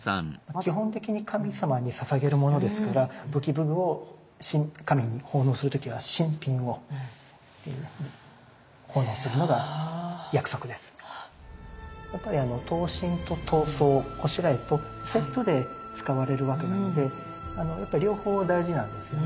基本的に神様にささげるものですからやっぱり刀身と刀装こしらえとセットで使われるわけなのでやっぱり両方大事なんですよね。